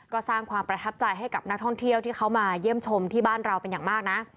ก็สร้างความประทับใจให้กับนักท่องเที่ยวที่เขามาเยี่ยมชมที่บ้านเราเป็นอย่างมากนะ